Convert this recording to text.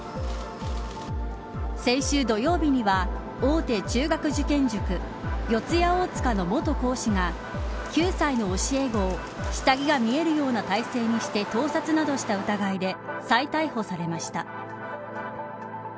先週土曜日には大手中学受験塾四谷大塚の元講師が９歳の教え子を下着が見えるような体勢にして盗撮したなどの疑いで再逮捕されました。